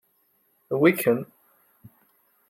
Wi i kemm.